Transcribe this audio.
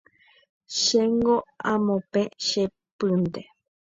Chéngo amopẽ che pýnte.